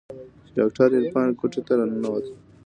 چې ډاکتر عرفان کوټې ته راننوت.